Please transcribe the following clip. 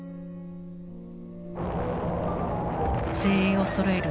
精鋭をそろえる